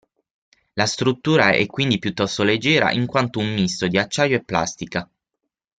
La struttura è quindi piuttosto leggera in quanto un misto di acciaio e plastica.